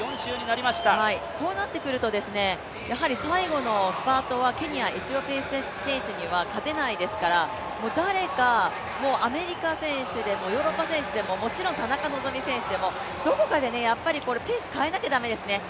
こうなってくるとやはり最後のスパートはケニア、エチオピアの選手には勝てないですから誰かアメリカ選手でもヨーロッパ選手でももちろん田中希実選手でもどこかでやっぱりペース変えなきゃ駄目ですね。